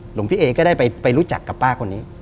หลวงพี่เอก็ได้ไปรู้จักกับป้าคนนี้